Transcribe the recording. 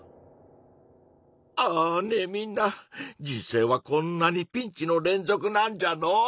あねえみんな人生はこんなにピンチの連続なんじゃの。